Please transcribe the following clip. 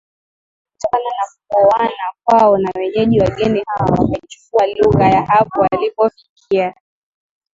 Lakini kutokana na kuoana kwao na wenyeji wageni hawa wakaichukua lugha ya hapo walipofikia